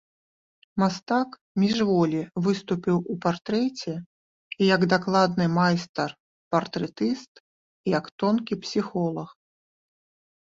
Мастак міжволі выступіў у партрэце і як дакладны майстар-партрэтыст, і як тонкі псіхолаг.